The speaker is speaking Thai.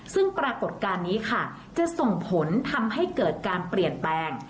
ซึ่งปรากฏการณ์นี้ค่ะจะส่งผลทำให้เกิดการเปลี่ยนแปลง